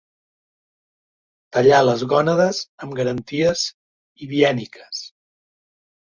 Tallar les gònades amb garanties hibièniques.